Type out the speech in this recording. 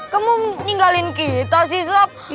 kamu ninggalin kita sih suap